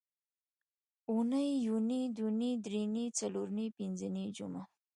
اونۍ یونۍ دونۍ درېنۍ څلورنۍ پینځنۍ جمعه